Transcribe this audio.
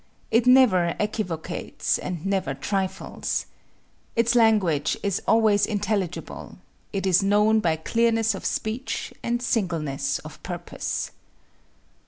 It never equivocates, and never trifles. Its language is always intelligible. It is known by clearness of speech and singleness of purpose.